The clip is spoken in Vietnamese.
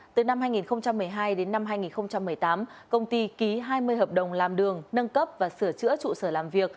từ năm hai nghìn một mươi hai đến năm hai nghìn một mươi tám công ty ký hai mươi hợp đồng làm đường nâng cấp và sửa chữa trụ sở làm việc